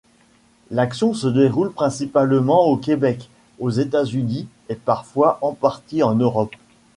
L'action se déroule principalement au Québec, aux États-Unis et parfois en partie en Europe.